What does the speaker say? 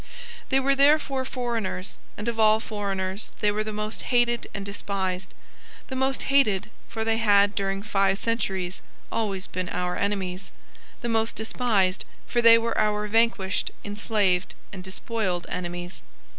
They were therefore foreigners; and of all foreigners they were the most hated and despised: the most hated, for they had, during five centuries, always been our enemies; the most despised, for they were our vanquished, enslaved, and despoiled enemies.